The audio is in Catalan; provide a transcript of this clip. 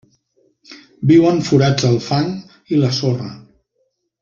Viu en forats al fang i la sorra.